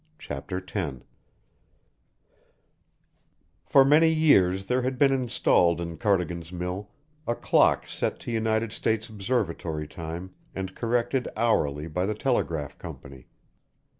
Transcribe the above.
CHAPTER X For many years there had been installed in Cardigan's mill a clock set to United States observatory time and corrected hourly by the telegraph company.